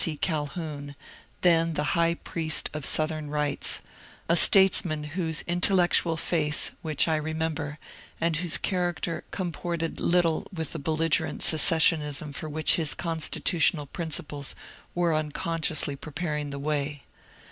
Calhoun, then the high priest of ^^ Southern Rights," — a statesman whose intellectual face, which I remember, and whose character comported little with the belligerent secessionism for which his constitutional principles were unconsciously preparing the way.